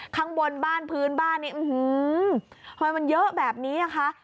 ข้างบนบ้านพื้นบ้านนี้เฮ้ยมันเยอะแบบนี้นะคะ